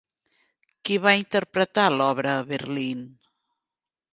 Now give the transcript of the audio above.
Qui va interpretar l'obra a Berlín?